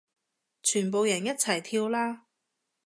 全部人一齊跳啦